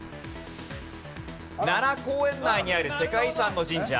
奈良公園内にある世界遺産の神社。